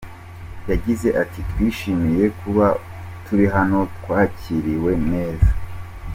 Yagize ati “Twishimiye kuba turi hano, twakiriwe neza.